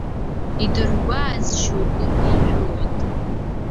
Идыргәааз шьоук еижәылоит.